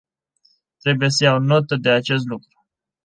Trebuie să iau notă de acest lucru.